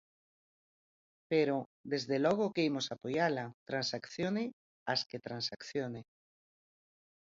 Pero, desde logo que imos apoiala, transaccione as que transaccione.